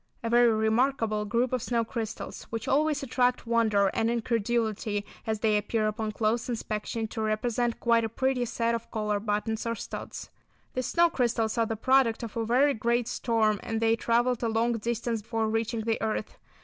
A very remarkable group of snow crystals, which always attract wonder and incredulity, as they appear upon close inspection to represent quite a pretty set of collar buttons or studs. These snow crystals are the product of a very great storm, and they travelled a long distance before reaching the earth.